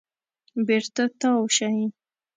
بېرته تاو شئ .